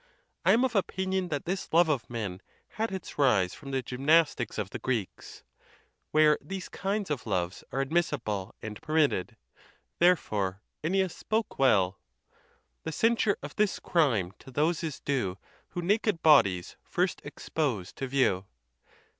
I am of opinion that this love of men had its rise from the Gymnastics of the Greeks, where these kinds of loves are admissible and permitted ; therefore Ennius spoke well: The censure of this crime to those is due Who naked bodies first exposed to view.